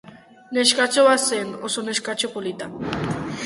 Neskatxo bat zen, oso neskatxo polita...